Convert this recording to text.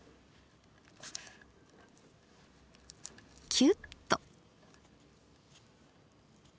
キュッと。